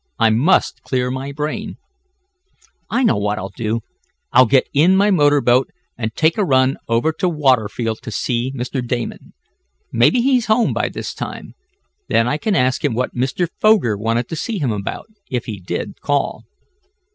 I must clear my brain. "I know what I'll do. I'll get in my motor boat and take a run over to Waterfield to see Mr. Damon. Maybe he's home by this time. Then I can ask him what Mr. Foger wanted to see him about, if he did call."